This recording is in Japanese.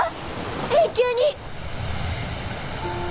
永久に！